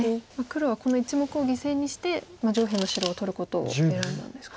黒はこの１目を犠牲にして上辺の白を取ることを選んだんですか。